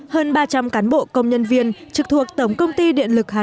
hơn ba trăm linh cán bộ công nhân viên trực thuộc tổng công ty điện lực hà nội